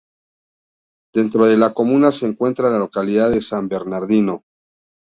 Dentro de la comuna se encuentra la localidad de San Bernardino.